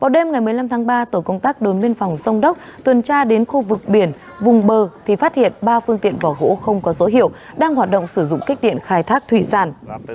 đêm ngày một mươi năm tháng ba tổ công tác đồn biên phòng sông đốc tuần tra đến khu vực biển vùng bờ thì phát hiện ba phương tiện vỏ gỗ không có số hiệu đang hoạt động sử dụng kích điện khai thác thủy sản